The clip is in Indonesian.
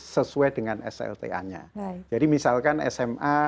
sesuai dengan slta nya jadi misalkan sma